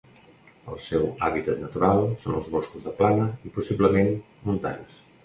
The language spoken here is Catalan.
El seu hàbitat natural són els boscos de plana i, possiblement, montans.